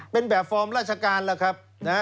เป็นแบบฟอร์มราชการล่ะครับ